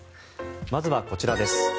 まずはこちらです。